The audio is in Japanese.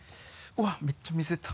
うわっめっちゃ水出た。